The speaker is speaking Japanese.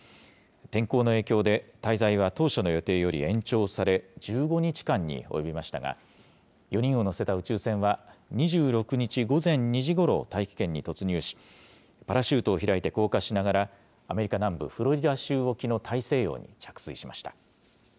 天候の影響で、滞在は当初の予定より延長され、１５日間に及びましたが、４人を乗せた宇宙船は、２６日午前２時ごろ、大気圏に突入し、パラシュートを開いて降下しながら、アメリカ南部フロリダ州沖の大西洋に着水しました。